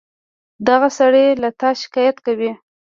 دغه سړى له تا شکايت کوي.